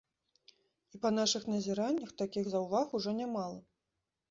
І, па нашых назіраннях, такіх заўваг ужо нямала.